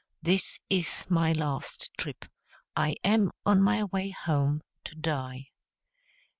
This is my last trip; I am on my way home to die.